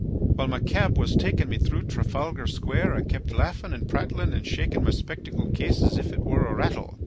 While my cab was taking me through Trafalgar Square I kept laughing and prattling and shaking my spectacle case as if it were a rattle.